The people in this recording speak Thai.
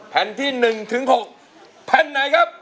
แผ่นที่๑ถึง๖แผ่นไหนครับ